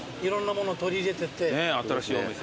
新しいお店も。